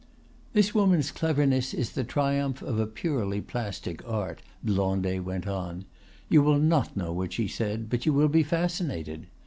"This woman's cleverness is the triumph of a purely plastic art," Blondet went on. "You will not know what she said, but you will be fascinated.